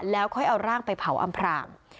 แล้วค่อยเอาร่างไปเผาอำพราง